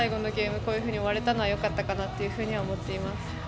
こういうふうに終われたのはよかったかなと思っています。